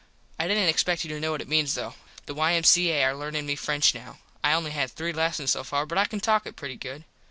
I didnt expect you to kno what it meant though. The Y.M.C.A. are learnin me French now. I only had three lessons so far but I can talk it pretty good.